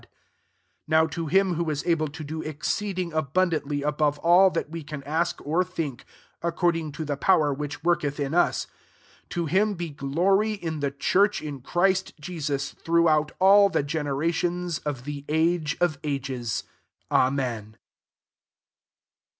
£0 Now to him who is able to do exceeding abundantly above all that we can ask or think, according to the power which worketh in us, 21 to him be glory in the church in Christ Jesus, throughout all the gene rations [of the agej of ages. Amen.